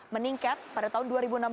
meningkat pada tahun dua ribu enam belas